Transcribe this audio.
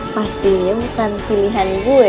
pastinya bukan pilihan gue